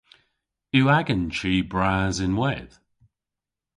Yw agan chi bras ynwedh?